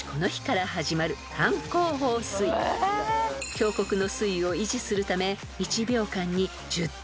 ［峡谷の水位を維持するため］